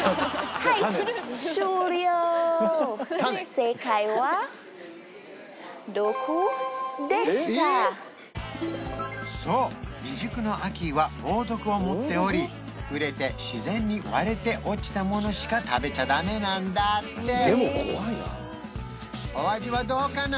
正解はそう未熟のアキーは猛毒を持っており熟れて自然に割れて落ちたものしか食べちゃダメなんだってお味はどうかな？